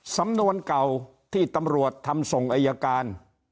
สำนวนเก่าที่ตำรวจทำส่งอายการ